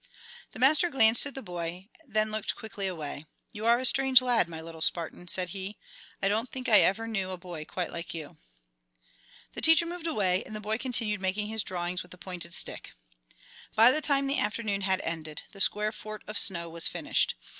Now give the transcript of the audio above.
The master glanced at the boy, and then looked quickly away. "You are a strange lad, my little Spartan," said he. "I don't think I ever knew a boy quite like you." [Illustration: THE SNOW FORT AT BRIENNE] The teacher moved away and the boy continued making his drawings with the pointed stick. By the time the afternoon had ended the square fort of snow was finished.